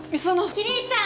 桐石さん！